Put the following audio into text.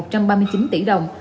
tăng hai trăm ba mươi chín tỷ đồng